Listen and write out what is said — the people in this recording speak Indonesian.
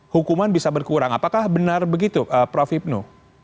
hukuman bisa berkurang apakah benar begitu prof hipnu